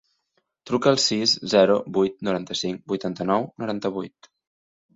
Truca al sis, zero, vuit, noranta-cinc, vuitanta-nou, noranta-vuit.